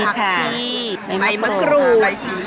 ใบมะกรูด